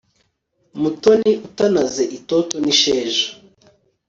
mutoni utanaze itoto nisheja